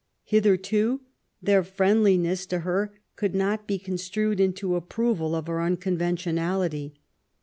Hitherto^ their friendliness to her could not be construed into approval of her unconventionality.